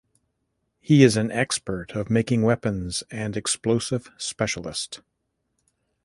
He is an expert of making weapons and explosive specialist.